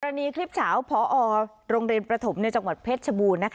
อันนี้คลิปเฉาพอโรงเรียนประถมในจังหวัดเพชรชบูรณ์